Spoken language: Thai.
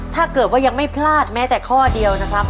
ถ้าเกิดว่ายังไม่พลาดแม้แต่ข้อเดียวนะครับ